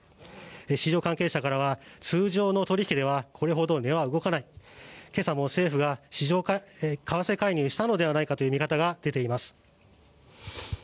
市場関係者からは通常の取引ではこれほど値は動かない今朝も政府が為替介入したのではないかという見方が出ています。